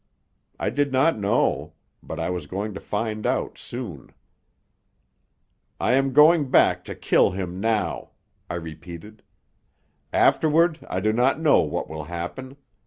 I did not know. But I was going to find out soon. "I am going back to kill him now," I repeated. "Afterward I do not know what will happen.